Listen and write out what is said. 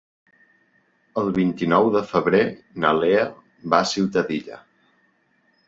El vint-i-nou de febrer na Lea va a Ciutadilla.